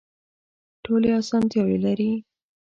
ټولې اسانتیاوې لري.